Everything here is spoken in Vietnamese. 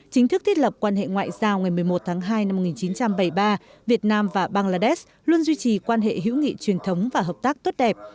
chính thức thiết lập quan hệ ngoại giao ngày một mươi một tháng hai năm một nghìn chín trăm bảy mươi ba việt nam và bangladesh luôn duy trì quan hệ hữu nghị truyền thống và hợp tác tốt đẹp